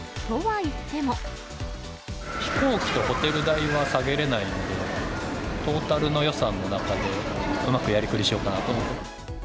飛行機とホテル代は下げれないんで、トータルの予算の中でうまくやりくりしようかなと思って。